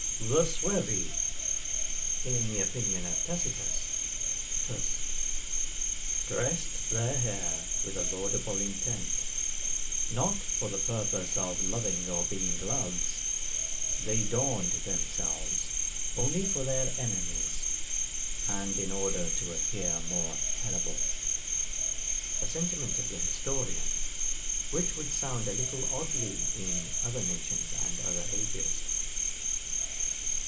THE Suevi, in the opinion of Tacitus, tus, [Footnote: De moribus Germ.] DRESSED THEIR HAIR WITH A LAUDIBLE INTENT: NOT FOR THE PURPOSE OF LOVING OR BEING LOVES; THEY DORNED THEMSELVES ONLY FOR THEIR ENEMIES, AND IN ORDER TO APPEAR MORE TERRIBLE. A sentiment of the historian, which would sound a little oddly in other nations and other ages.